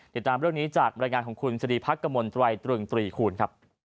เดี๋ยวตามเรื่องนี้จากรายงานของคุณสดีพักกะมนต์ไว้ตรึง๓คูณครับ